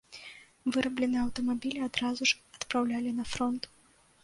Вырабленыя аўтамабілі адразу ж адпраўлялі на фронт.